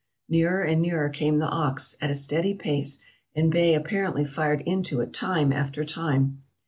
Nearer and nearer came the ox, at a steady pace, and Bay apparently fired into it time after time.